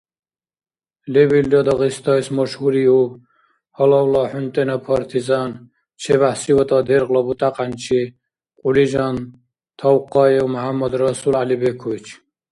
Лебилра Дагъистайс машгьуриуб гьалавла хӀунтӀена партизан, ЧебяхӀси ВатӀа дергъла бутӀакьянчи кьулижан Тавкъаев МяхӀяммадрасул ГӀялибекович.